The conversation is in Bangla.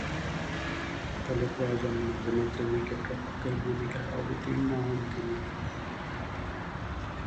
দলের প্রয়োজনে মাঝে-মধ্যে উইকেট-রক্ষকের ভূমিকায় অবতীর্ণ হন তিনি।